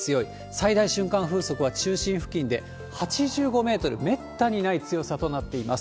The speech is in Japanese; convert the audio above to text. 最大瞬間風速は中心付近で８５メートル、めったにない強さとなっています。